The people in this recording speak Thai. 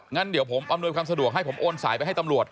งั้นเดี๋ยวผมอำนวยความสะดวกให้ผมโอนสายไปให้ตำรวจ